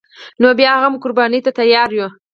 نو بیا هم قربانی ته تیار یو